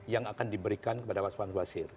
yang akan diberikan kepada pak sofian basir